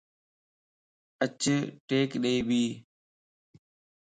اچ ٽيڪ ڏئي ٻي